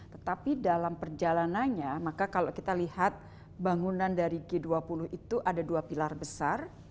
tetapi dalam perjalanannya maka kalau kita lihat bangunan dari g dua puluh itu ada dua pilar besar